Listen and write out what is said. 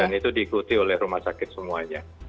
dan itu diikuti oleh rumah sakit semuanya